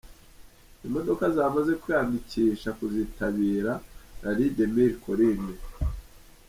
Imodoka zamaze kwiyandikisha kuzitabira Rallye des Mille Collines.